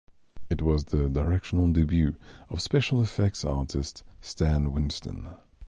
It was the directorial debut of special effects artist Stan Winston.